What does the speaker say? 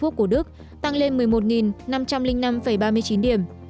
chỉ số s p của đức tăng lên một mươi một năm trăm linh năm ba mươi chín điểm